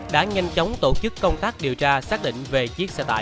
đã nhanh chóng tổ chức công tác điều tra xác định về chiếc xe tải